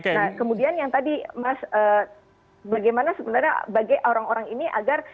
nah kemudian yang tadi mas bagaimana sebenarnya bagai orang orang ini agar